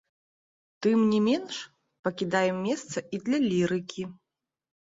Тым не менш, пакідаем месца і для лірыкі.